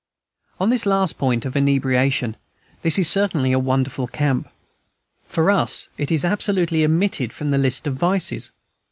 On this last point, of inebriation, this is certainly a wonderful camp. For us it is absolutely omitted from the list of vices.